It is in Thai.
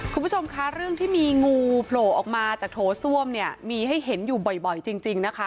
คุณผู้ชมคะเรื่องที่มีงูโผล่ออกมาจากโถส้วมเนี่ยมีให้เห็นอยู่บ่อยจริงนะคะ